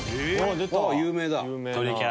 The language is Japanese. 有名だ。